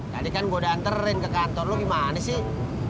tadi kan gue udah anterin ke kantor lo gimana sih